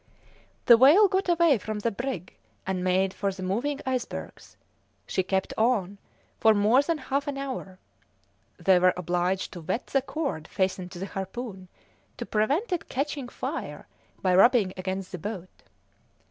The whale got away from the brig and made for the moving icebergs; she kept on for more than half an hour; they were obliged to wet the cord fastened to the harpoon to prevent it catching fire by rubbing against the boat.